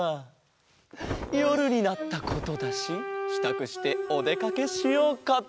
よるになったことだししたくしておでかけしようか。